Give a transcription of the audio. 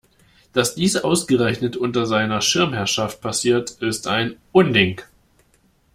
Dass dies ausgerechnet unter seiner Schirmherrschaft passiert, ist ein Unding!